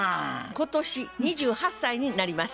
今年２８歳になります。